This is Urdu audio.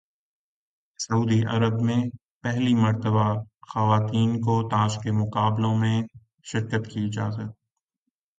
سعودی عرب میں پہلی مرتبہ خواتین کو تاش کے مقابلوں میں شرکت کی اجازت